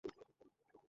ঘোড়ায় বসতে বলো।